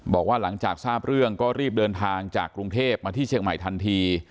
บอกว่าหลังจากทราบเรื่องก็รีบเดินทางจากกรุงเทพมาที่เชียงใหม่ทันที